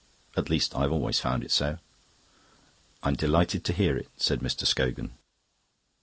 At least, I've always found it so." "I'm delighted to hear it," said Mr. Scogan.